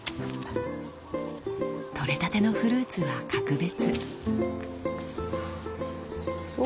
取れたてのフルーツは格別。